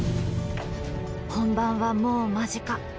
本番はもう間近。